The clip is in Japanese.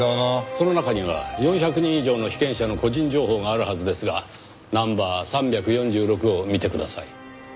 その中には４００人以上の被験者の個人情報があるはずですがナンバー３４６を見てください。